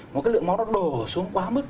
một cái lượng máu nó đổ xuống quá mức